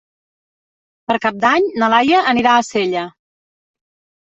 Per Cap d'Any na Laia anirà a Sella.